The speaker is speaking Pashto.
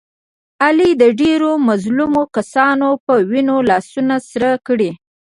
علي د ډېرو مظلومو کسانو په وینو لاسونه سره کړي.